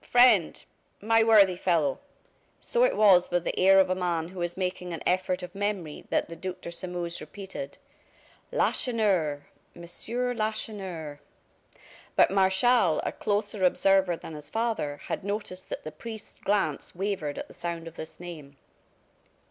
friend, my worthy fellow!" So it was with the air of a man who is making an effort of memory that the Duc de Sairmeuse repeated: "Lacheneur Monsieur Lacheneur " But Martial, a closer observer than his father, had noticed that the priest's glance wavered at the sound of this name.